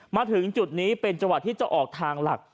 มาถึงจุดนี้เป็นจังหวะที่จะออกทางหลัก